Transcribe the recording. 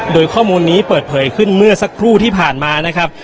โดยข้อมูลนี้เปิดเผยขึ้นเมื่อสักครู่ที่ผ่านมานะครับ